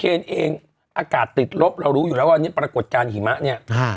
เป็นเองอากาศติดลบเรารู้อยู่แล้วว่าปรากฏจานหิมะเนี่ย